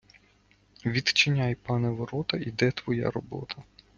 Відчиняй, пане, ворота- йде твоя робота!